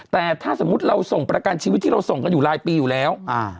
แต่ถ้าสมมุติเราส่งประกันชีวิตที่เราส่งกันอยู่รายปีอยู่แล้ว